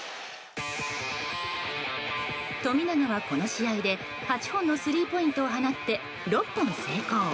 富永はこの試合で８本のスリーポイントを放って６本成功。